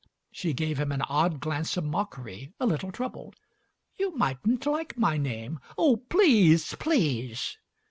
She gave him an odd glance of mockery, a little troubled. "You mightn't like my name!" "Oh, please, please!"